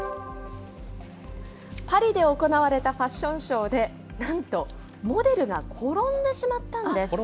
パリで行われたファッションショーで、なんと、モデルが転んでしまったんです。